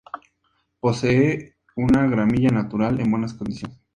Posee una gramilla natural en buenas condiciones.